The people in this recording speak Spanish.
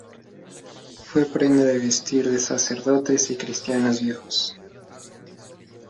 Fue prenda de vestir de sacerdotes y cristianos viejos.